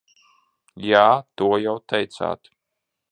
Jā, to jau teicāt.